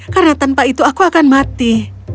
karena tanpa itu aku akan mati